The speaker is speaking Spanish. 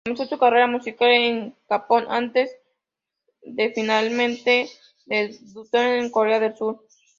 Comenzó su carrera musical en Japón antes de, finalmente, debutar en Corea del Sur.